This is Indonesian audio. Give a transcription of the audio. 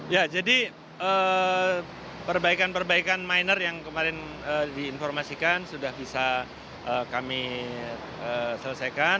ya jadi perbaikan perbaikan minor yang kemarin diinformasikan sudah bisa kami selesaikan